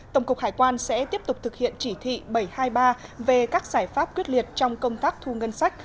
tổng cục hải quan sẽ tiếp tục thực hiện chỉ thị bảy trăm hai mươi ba về các giải pháp quyết liệt trong công tác thu ngân sách